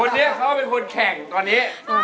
เจ้าเขาเป็นคนแข่งตอนนี้